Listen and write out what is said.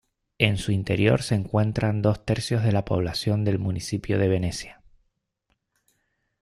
En su interior se encuentran dos tercios de la población del municipio de Venecia.